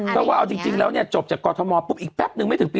เพราะว่าเอาจริงแล้วเนี่ยจบจากกรทมปุ๊บอีกแป๊บนึงไม่ถึงปี